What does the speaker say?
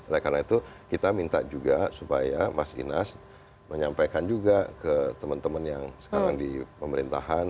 oleh karena itu kita minta juga supaya mas inas menyampaikan juga ke teman teman yang sekarang di pemerintahan